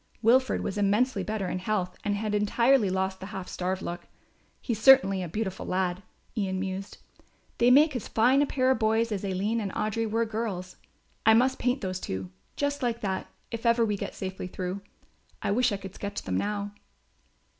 Wilfred was immensely better in health and had entirely lost the half starved look. "He's certainly a beautiful lad," Ian mused. "They make as fine a pair of boys as Aline and Audry were girls. I must paint those two, just like that, if ever we get safely through. I wish I could sketch them now."